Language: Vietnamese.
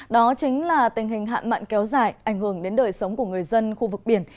đó chính là tình hình hạn mạn kéo dài ảnh hưởng đến đời sống của người dân khu vực biển